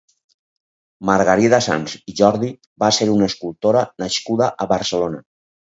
Margarida Sans i Jordi va ser una escultora nascuda a Barcelona.